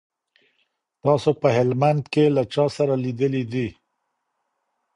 تاسو په هلمند کي له چا سره لیدلي دي؟